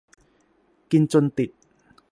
กินจนติด